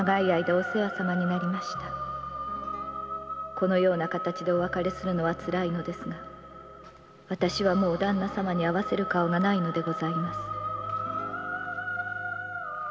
「このような形でお別れするのは辛いのですが私はもう旦那様に会わせる顔がないのでございます」